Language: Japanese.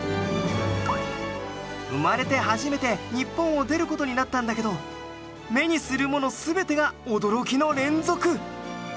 生まれて初めて日本を出る事になったんだけど目にするもの全てが驚きの連続！